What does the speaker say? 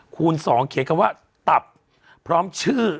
คูณ๒เขียนคำว่าตับพร้อมชื่อ